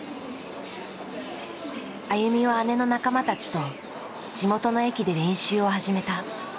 ＡＹＵＭＩは姉の仲間たちと地元の駅で練習を始めた。